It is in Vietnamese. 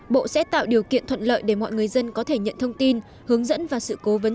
bộ sẽ tạo điều kiện thuận lợi để mọi người dân có thể nhận thông tin hướng dẫn và sự cố vấn